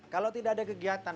kalau tidak ada kegiatan